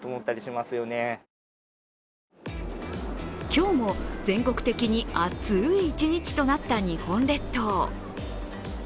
今日も全国的に暑い一日となった日本列島。